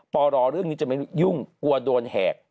ปรเรื่องนี้จะไม่ยุ่งกลัวโดนแหก